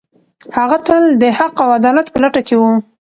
هغه تل د حق او عدالت په لټه کې و.